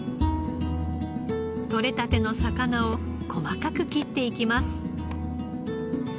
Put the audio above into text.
取れたての魚を細かく切っていきます。